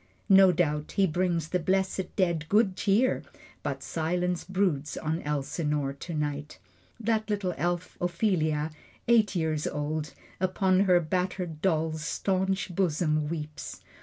No doubt he brings the blessed dead good cheer, But silence broods on Elsinore tonight. That little elf, Ophelia, eight years old, Upon her battered doll's staunch bosom weeps.